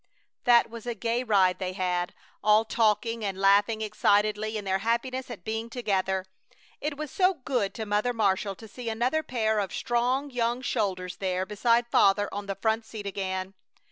That was a gay ride they had, all talking and laughing excitedly in their happiness at being together. It was so good to Mother Marshall to see another pair of strong young shoulders there beside Father on the front seat again!